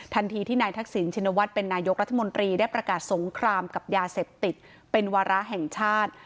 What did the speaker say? ทันทีที่นายทักษิณชินวัฒน์เป็นนายกรัฐมนตรีได้ประกาศสงครามกับยาเสพติดเป็นวาระแห่งชาติ